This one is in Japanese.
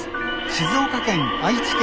静岡県愛知県